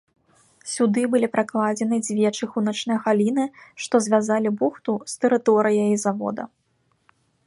Сюды былі пракладзены дзве чыгуначныя галіны, што звязалі бухту з тэрыторыяй завода.